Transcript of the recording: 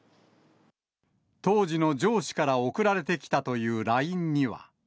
当時の上司から送られてきたというＬＩＮＥには。